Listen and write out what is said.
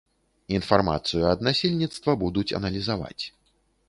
Інфармацыю ад насельніцтва будуць аналізаваць.